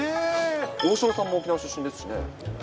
大城さんも沖縄出身ですしね。